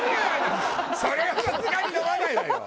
それはさすがに飲まないわよ！